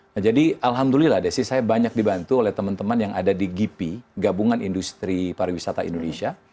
nah jadi alhamdulillah desi saya banyak dibantu oleh teman teman yang ada di gipi gabungan industri pariwisata indonesia